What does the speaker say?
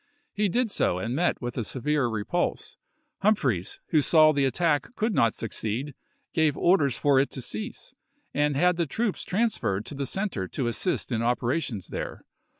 He did so, and met with a severe repulse. Humphreys, who phrJ^s, saw the attack could not succeed, gave orders for virTmia it to cease, and had the troops transferred to the ^^fr&f^ center to assist in operations there.